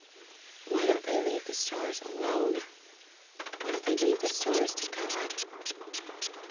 _ _Why don't they leave the stars alone? Why don't they leave the stars to God?